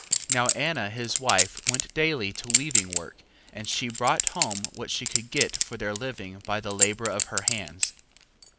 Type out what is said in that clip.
2:19. Now Anna his wife went daily to weaving work, and she brought home what she could get for their living by the labour of her hands.